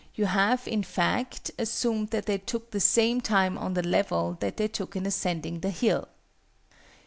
You have, in fact, assumed that they took the same time on the level that they took in ascending the hill.